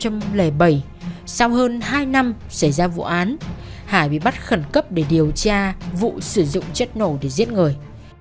năm hai nghìn bảy sau hơn hai năm xảy ra vụ án hải bị bắt khẩn cấp để điều tra vụ sử dụng chất nổ để giết người